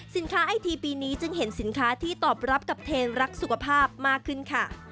ไอทีปีนี้จึงเห็นสินค้าที่ตอบรับกับเทนรักสุขภาพมากขึ้นค่ะ